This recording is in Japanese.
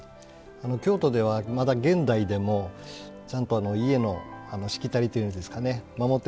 京都ではまだ現代でもちゃんと家のしきたりというんですかね守っ